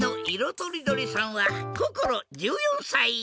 とりどりさんはこころ１４さい。